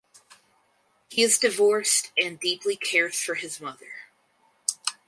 He is divorced and deeply cares for his mother.